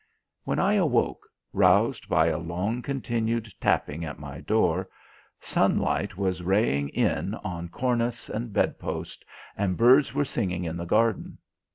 When I awoke, roused by a long continued tapping at my door, sunlight was raying in on cornice and bedpost, and birds were singing in the garden.